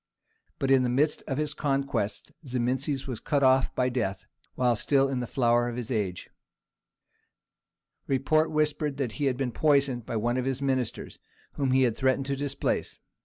But in the midst of his conquests Zimisces was cut off by death, while still in the flower of his age. Report whispered that he had been poisoned by one of his ministers, whom he had threatened to displace.